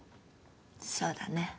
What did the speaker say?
そうだね。